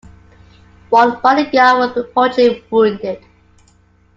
One bodyguard was reportedly wounded.